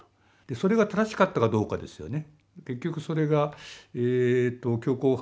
それが正しかったかどうかですよね。